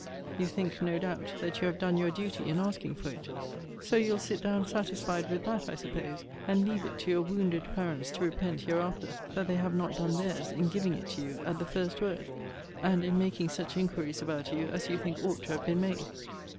You think, no doubt, that you have done your duty in asking for it: so you'll sit down satisfied with that, I suppose, and leave it to your wounded parents to repent hereafter that they have not done theirs, in giving it to you, at the first word; and in making such inquiries about you, as you think ought to have been made.